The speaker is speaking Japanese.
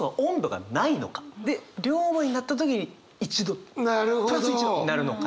で両思いになった時に１度プラス１度になるのかな？